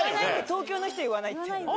東京の人言わないって。